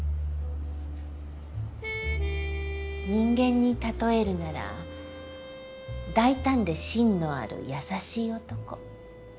人間に例えるなら大胆で芯のある優しい男。